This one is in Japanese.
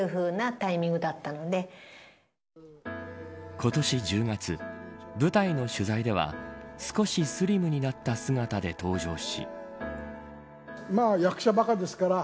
今年１０月、舞台の取材では少しスリムになった姿で登場し。